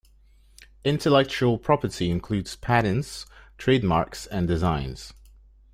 Intellectual property includes patents, trademarks and designs